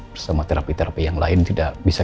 bersama terapi terapi yang lain tidak bisa